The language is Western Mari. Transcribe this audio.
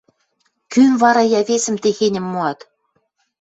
Кӱм вара, йӓ, весӹм техеньӹм моат?